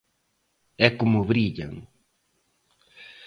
¡E como brillan!